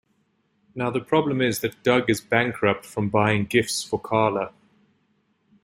Now the problem is that Doug is bankrupt from buying gifts for Carla.